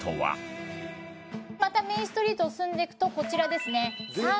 またメインストリートを進んでいくとこちらですね。